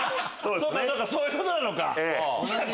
そういうことなのか。